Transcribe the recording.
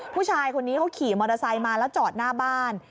ผู้ชายคนนี้เขาขี่มอเตอร์ไซค์มาแล้วจอดหน้าบ้าน